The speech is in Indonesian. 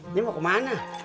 ini mau kemana